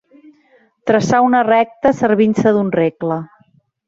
Traçar una recta servint-se d'un regle.